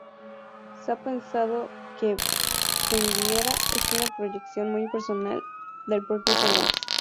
Se ha pensado que Vidriera es una proyección muy personal del propio Cervantes.